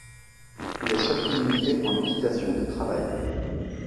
Il est surtout monté en équitation de travail.